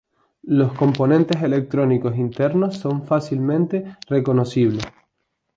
Los componentes electrónicos internos son fácilmente reconocibles.